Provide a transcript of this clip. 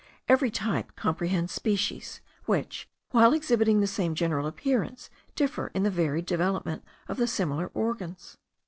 Every type comprehends species, which, while exhibiting the same general appearance, differ in the varied development of the similar organs.